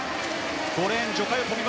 ５レーン、ジョ・カヨ。